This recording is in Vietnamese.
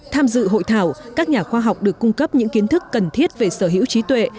tham dự hội thảo các nhà khoa học được cung cấp những kiến thức cần thiết về sở hữu trí tuệ